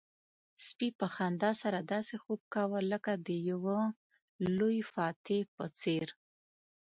سپي په خندا سره داسې خوب کاوه لکه د یو لوی فاتح په څېر.